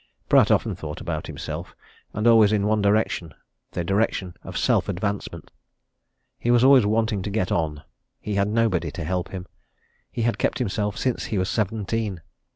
Pratt often thought about himself, and always in one direction the direction of self advancement. He was always wanting to get on. He had nobody to help him. He had kept himself since he was seventeen.